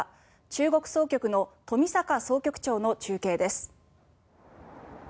中国総局の冨坂総局長の中継です。